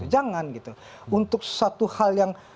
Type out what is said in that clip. jangan gitu untuk suatu hal yang